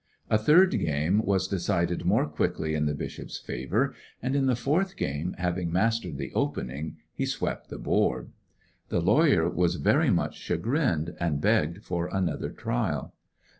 A third game was decided more quickly in the bishop's favor, and in the fourth game, having mas tered the opening, he swept the board. The lawyer was very much chagrined, and begged for another trial.